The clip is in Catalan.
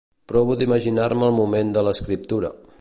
Provo d'imaginar-me el moment de l'escriptura.